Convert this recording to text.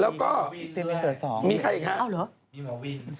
แล้วก็มีใครอีกครั้ง